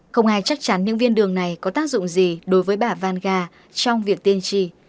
không ai chắc chắn những viên đường này có tác dụng gì đối với bà vanga trong việc tiên trì